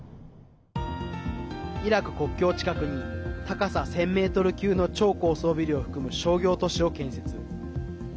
イラク国境近くに高さ１０００ｍ級の超高層ビルを含む商業都市を建設。